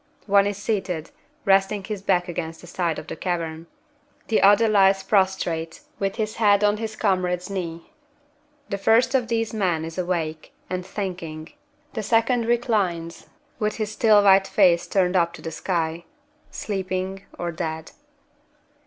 One is seated, resting his back against the side of the cavern. The other lies prostrate, with his head on his comrade's knee. The first of these men is awake, and thinking. The second reclines, with his still white face turned up to the sky sleeping or dead.